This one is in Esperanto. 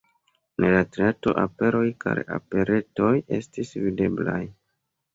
En la teatro operoj kaj operetoj estis videblaj.